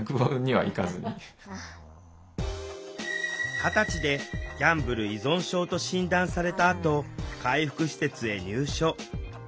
二十歳でギャンブル依存症と診断されたあと回復施設へ入所。